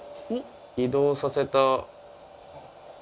移動させた。